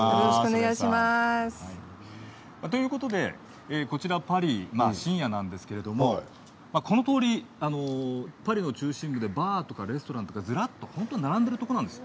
ということで、こちらパリ深夜なんですけどこの通り、パリの中心部でバーとかレストランがずらっと並んでいるところなんです。